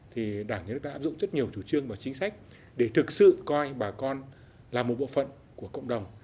thì đảng nhà nước đã áp dụng rất nhiều chủ trương và chính sách để thực sự coi bà con là một bộ phận của cộng đồng